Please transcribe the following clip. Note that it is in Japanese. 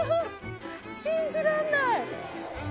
信じらんない。